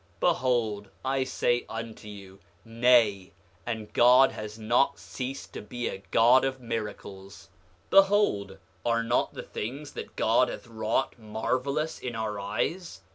Behold I say unto you, Nay; and God has not ceased to be a God of miracles. 9:16 Behold, are not the things that God hath wrought marvelous in our eyes?